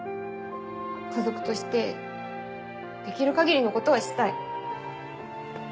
家族としてできる限りのことはしたい。